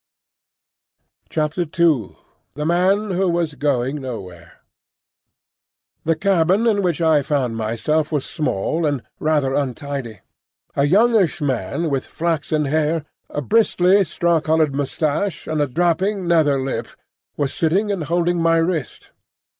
II. THE MAN WHO WAS GOING NOWHERE. The cabin in which I found myself was small and rather untidy. A youngish man with flaxen hair, a bristly straw coloured moustache, and a dropping nether lip, was sitting and holding my wrist.